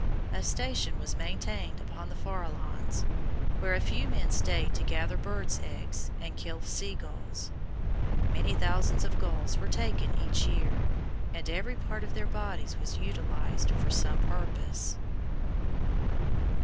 A station was maintained upon the Farralones, where a few men stayed to gather birds' eggs and kill seagulls. Many thousands of gulls were taken each year, and every part of their bodies was utilized for some purpose.